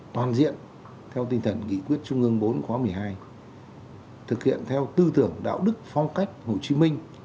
toàn diện theo tinh thần nghị quyết trung ương bốn khóa một mươi hai thực hiện theo tư tưởng đạo đức phong cách hồ chí minh